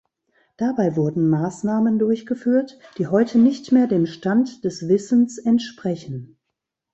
Dabei wurden Maßnahmen durchgeführt, die heute nicht mehr dem Stand des Wissens entsprechen.